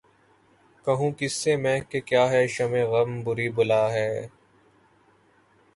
کہوں کس سے میں کہ کیا ہے شبِ غم بری بلا ہے